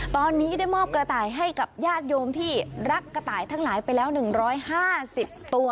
ตอนนี้ได้มอบกระต่ายให้กับญาติโยมที่รักกระต่ายทั้งหลายไปแล้ว๑๕๐ตัว